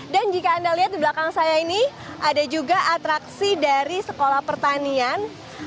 dan jika anda lihat di belakang saya ini ada juga atraksi dari sekolah pertanian